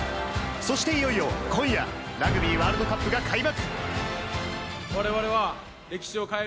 そしていよいよ今夜、ラグビーワールドカップが開幕。